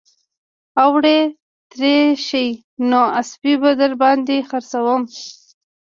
اوړي تېر شي نو اسپې به در باندې خرڅوم